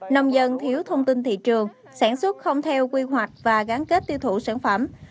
nông dân thiếu thông tin thị trường sản xuất không theo quy hoạch và gắn kết tiêu thụ sản phẩm